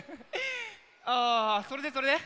あそれでそれで？